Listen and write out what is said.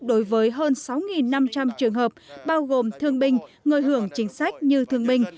đối với hơn sáu năm trăm linh trường hợp bao gồm thương binh người hưởng chính sách như thương binh